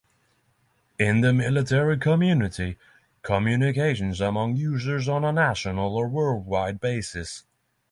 In the military community, communications among users on a national or worldwide basis.